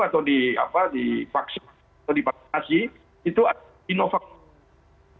atau di vaksinasi itu sinovac